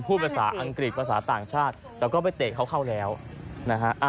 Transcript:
พูดภาษาอังกฤษภาษาต่างชาติแต่ก็ไปเตะเขาเข้าแล้วนะฮะ